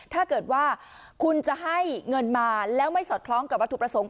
ถ้าเกิดว่าคุณจะให้เงินมาแล้วไม่สอดคล้องกับวัตถุประสงค์